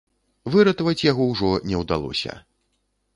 Выратаваць яго ўжо не ўдалося.